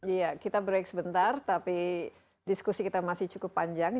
iya kita break sebentar tapi diskusi kita masih cukup panjang